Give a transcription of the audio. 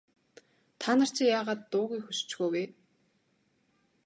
Та нар чинь яагаад дуугүй хөшчихөө вэ?